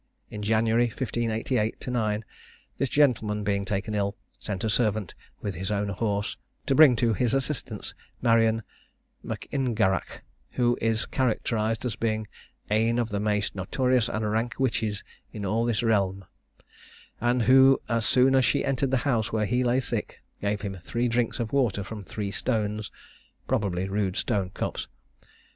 In January, 1588 9, this gentleman being taken ill, sent a servant with his own horse, to bring to his assistance Marion M'Ingarach, who is characterised as being 'ane of the maist notorious and rank wichis in all this realme,' and who, as soon as she entered the house where he lay sick, gave him three drinks of water from three stones (probably rude stone cups).